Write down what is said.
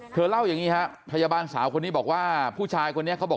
เล่าอย่างนี้ครับพยาบาลสาวคนนี้บอกว่าผู้ชายคนนี้เขาบอก